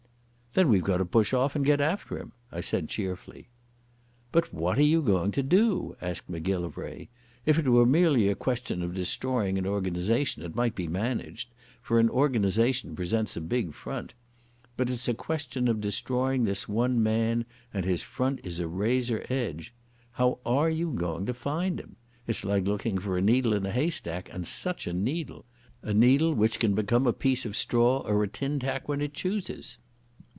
"Then we've got to push off and get after him," I said cheerfully. "But what are you going to do?" asked Macgillivray. "If it were merely a question of destroying an organisation it might be managed, for an organisation presents a big front. But it's a question of destroying this one man, and his front is a razor edge. How are you going to find him? It's like looking for a needle in a haystack, and such a needle! A needle which can become a piece of straw or a tin tack when it chooses!"